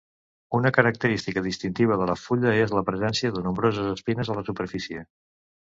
Una característica distintiva de la fulla és la presència de nombroses espines a la superfície.